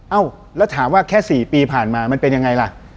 เอ้าแล้วถามว่าแค่๔ปีผ่านมามันเป็นยังไงล่ะ